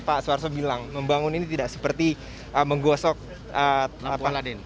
pak suharto bilang membangun ini tidak seperti menggosok lampu aladin